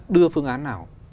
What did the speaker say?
đưa phương án nào